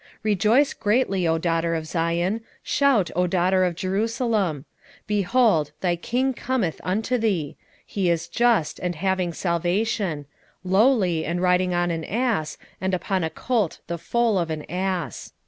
9:9 Rejoice greatly, O daughter of Zion; shout, O daughter of Jerusalem: behold, thy King cometh unto thee: he is just, and having salvation; lowly, and riding upon an ass, and upon a colt the foal of an ass.